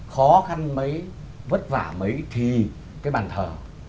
khó khăn mấy vất vả mấy thì cái bàn thờ